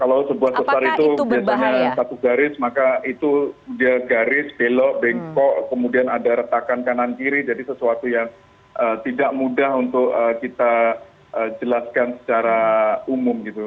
kalau sebuah besar itu biasanya satu garis maka itu dia garis belok bengkok kemudian ada retakan kanan kiri jadi sesuatu yang tidak mudah untuk kita jelaskan secara umum gitu